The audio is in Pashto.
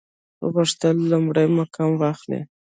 غوښتل لومړی مقام واخلي.